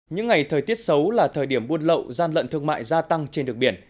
những ngày thời tiết xấu là thời điểm buôn lậu gian lận thương mại gia tăng trên đường biển